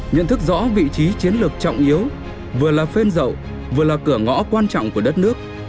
nhận thức rõ vị trí chiến lược trọng yếu vừa là phên rậu vừa là cửa ngõ quan trọng của đất nước